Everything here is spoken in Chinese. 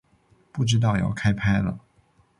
不知道要开拍了